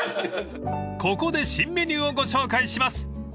［ここで新メニューをご紹介します］